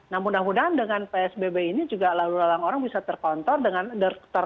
nah mudah mudahan dengan psbb ini juga lalu lalang orang bisa terkontrol dengan penerapan penerapan pembatasan